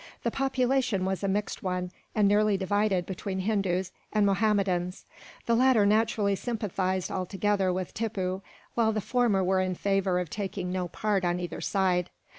The population was a mixed one, and nearly divided between Hindus and Mahommedans. The latter naturally sympathized altogether with Tippoo, while the former were in favour of taking no part on either side.